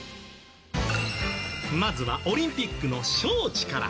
まずはオリンピックの招致から。